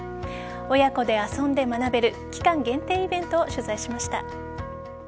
親子で遊んで学べる期間限定イベントを取材しました。